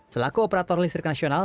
selaku operator listrik nasional